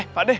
eh pak d